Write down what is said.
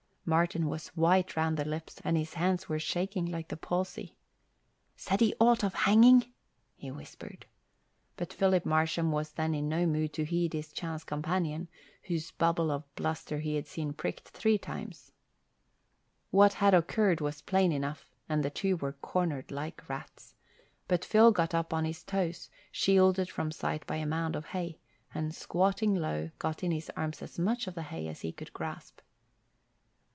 Martin was white round the lips and his hands were shaking like the palsy. "Said he aught of hanging?" he whispered. But Philip Marsham was then in no mood to heed his chance companion, whose bubble of bluster he had seen pricked three times. What had occurred was plain enough and the two were cornered like rats; but Phil got up on his toes, shielded from sight by a mound of hay, and squatting low, got in his arms as much of the hay as he could grasp.